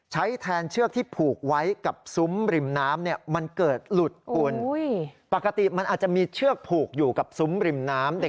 ใช้แทนเชือกที่ผูกไว้กับซุ้มริมน้ำเนี่ยมันเกิดหลุดคุณปกติมันอาจจะมีเชือกผูกอยู่กับซุ้มริมน้ำ